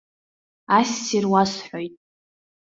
Ассир уасҳәоит.